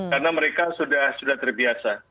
karena mereka sudah terbiasa